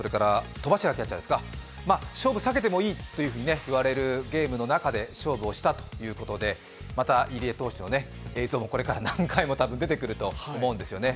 戸柱キャッチャーですが勝負避けてもいいと言われるゲームの中で勝負をしたということで、また入江投手の映像も、これから何回も出てくると思うんですよね。